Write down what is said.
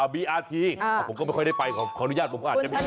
ผมก็ไม่ค่อยได้ไปขออนุญาตผมก็อาจจะไม่ค่อยไป